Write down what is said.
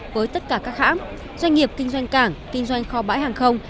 với tất cả các hãng doanh nghiệp kinh doanh cảng kinh doanh kho bãi hàng không